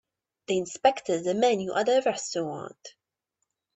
They inspected the menu at the restaurant.